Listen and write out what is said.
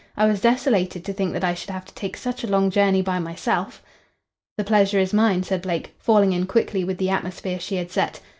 I was desolated to think that I should have to take such a long journey by myself." "The pleasure is mine," said Blake, falling in quickly with the atmosphere she had set.